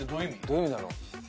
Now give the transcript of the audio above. どういう意味だろう？